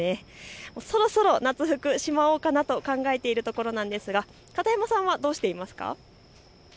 そろそろ夏服、しまおうかなと考えているんですが片山さんはどうしていますか。